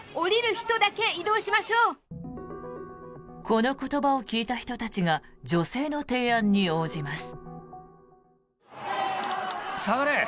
この言葉を聞いた人たちが女性の提案に応じます。